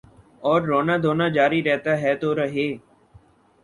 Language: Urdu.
اوررونا دھونا جاری رہتاہے تو رہے۔